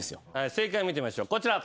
正解見てみましょうこちら。